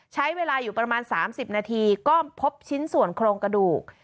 ใช้เวลาอยู่ประมาณ๓๐นาทีก็พบชิ้นส่วนโครงกระดูก